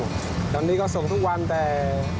ตอนนี้ก็ส่งทุกวันแต่